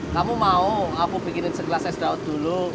kamu mau aku bikinin segelas es daun dulu